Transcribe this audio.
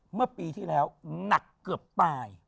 เมื่อปีที่แล้วหนักเกือบตาย